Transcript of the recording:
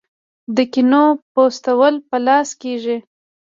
د کینو پوستول په لاس کیږي.